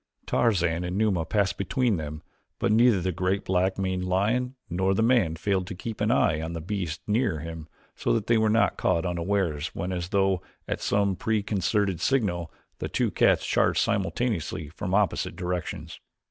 Tarzan and Numa passed between them but neither the great black maned lion nor the man failed to keep an eye upon the beast nearer him so that they were not caught unawares when, as though at some preconcerted signal, the two cats charged simultaneously from opposite directions.